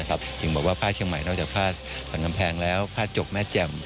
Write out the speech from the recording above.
ยังบอกว่าป้าเชียงใหม่